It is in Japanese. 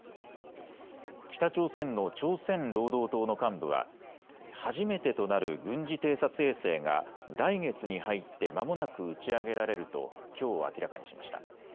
北朝鮮の朝鮮労働党の幹部は初めてとなる軍事偵察衛星が来月に入ってまもなく打ち上げられるときょう明らかにしました。